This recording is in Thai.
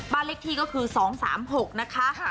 บ้านเลขที่ก็คือ๒๓๖นะคะค่ะ